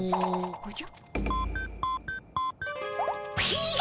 おじゃ。